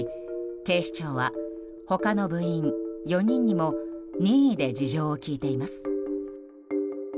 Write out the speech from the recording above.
警視庁は他の部員４人にも任意で事情を聴いています。